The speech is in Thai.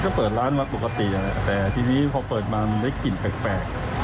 ก็เปิดร้านมาปกติแต่ทีนี้พอเปิดมามันได้กลิ่นแปลก